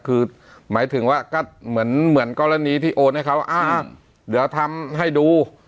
คือหมายถึงว่าก็เหมือนเหมือนกรณีที่โอนให้เขาเดี๋ยวทำให้ดู